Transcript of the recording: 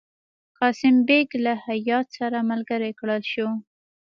قاسم بیګ له هیات سره ملګری کړل شو.